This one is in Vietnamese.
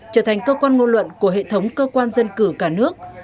trở thành cơ quan ngôn luận của hệ thống cơ quan dân cử cả nước